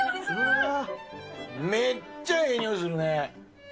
めっちゃええにおいするね。